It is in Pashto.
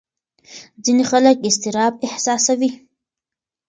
ځینې خلک اضطراب احساسوي.